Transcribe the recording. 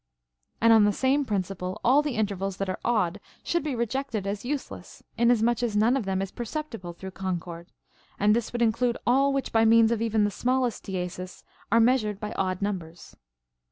And on the same principle all the intervals that are odd should be re jected as useless, inasmuch as none of them is perceptible through concord ; and this would include all which by means of even the smallest diesis are measured by odd numbers.